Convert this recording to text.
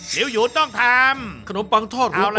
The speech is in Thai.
หิวหอยู่ต้องทำ